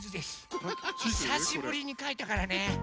ひさしぶりにかいたからね。